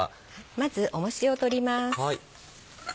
まず重石を取ります。